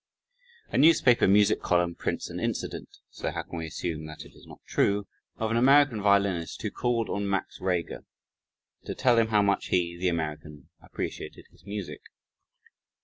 A newspaper music column prints an incident (so how can we assume that it is not true?) of an American violinist who called on Max Reger, to tell him how much he (the American) appreciated his music.